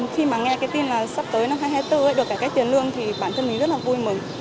khi mà nghe cái tin là sắp tới năm hai nghìn hai mươi bốn được cải cách tiền lương thì bản thân mình rất là vui mừng